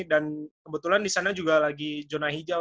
dan kebetulan di sana juga lagi zona hijau